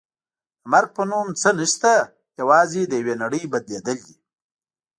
د مرګ په نوم څه نشته یوازې د یوې نړۍ بدلېدل دي.